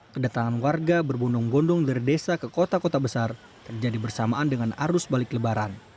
kedatangan warga berbondong bondong dari desa ke kota kota besar terjadi bersamaan dengan arus balik lebaran